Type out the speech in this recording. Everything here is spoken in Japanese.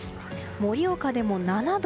盛岡でも７度。